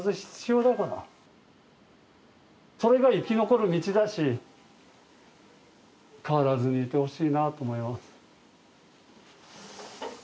それが生き残る道だし変わらずにいてほしいなと思います。